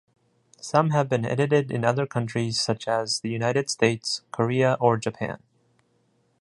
Some have been edited in other countries such as the United States, Korea or Japan.